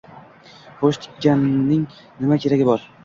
Xo‘sh, tikanning nima keragi bor?